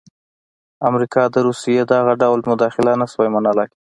امریکا د روسیې دغه ډول مداخله نه شوای منلای.